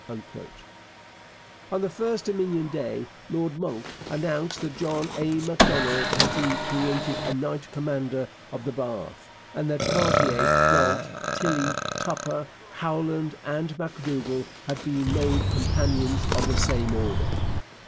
On the first Dominion Day, Lord Monck announced that John A. Macdonald had been created a Knight Commander of the Bath, and that Cartier, Galt, Tilley, Tupper, Howland, and M'Dougall had been made Companions of the same order.